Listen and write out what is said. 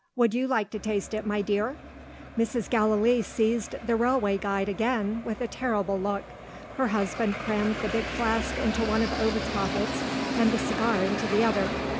Would you like to taste it, my dear?" Mrs. Gallilee seized the "Railway Guide" again, with a terrible look. Her husband crammed the big flask into one of Ovid's pockets, and the cigars into the other.